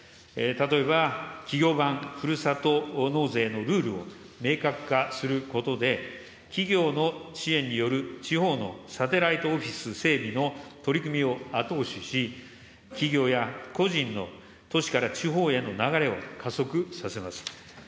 例えば企業版ふるさと納税のルールを明確化することで、企業の支援による地方のサテライトオフィス整備の取り組みを後押しし、企業や個人の都市から地方への流れを加速させます。